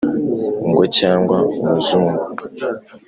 Ngo cyangwa umuzungu